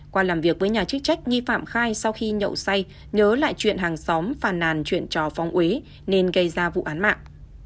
qua làm việc với nhà chức trách nghi phạm khai sau khi nhậu say nhớ lại chuyện hàng xóm phàn nàn chuyện trò phóng úy nên gây ra vụ án mạng